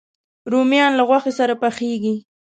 رومیان له غوښې سره پخېږي